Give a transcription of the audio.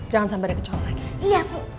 jangan sampai ada kecoa lagi